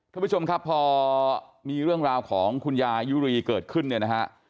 ท่านผู้ชมครับพอมีเรื่องราวของคุณยายุรีเกิดขึ้นเนี่ยนะฮะ